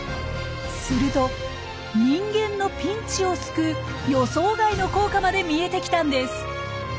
すると人間のピンチを救う予想外の効果まで見えてきたんです。